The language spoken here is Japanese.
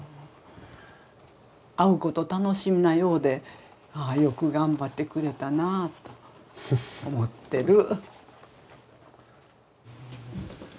会うこと楽しみなようでああよく頑張ってくれたなあと思ってる。